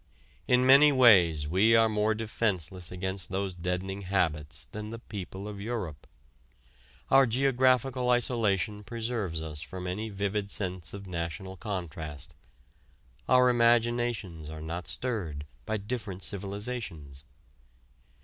In many ways we are more defenceless against these deadening habits than the people of Europe. Our geographical isolation preserves us from any vivid sense of national contrast: our imaginations are not stirred by different civilizations.